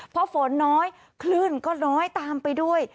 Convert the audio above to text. เพราะฝนน้อยคลื่นก็น้อยตามไปด้วย